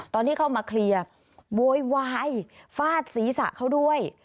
ตอนที่เข้ามาเคลียร์โวยวายฟาดศีรษะเขาด้วย